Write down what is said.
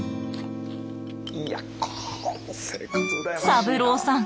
三郎さん